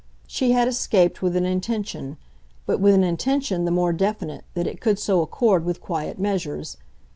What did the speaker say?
She had escaped with an intention, but with an intention the more definite that it could so accord with quiet measures.